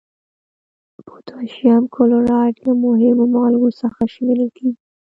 پوتاشیم کلورایډ له مهمو مالګو څخه شمیرل کیږي.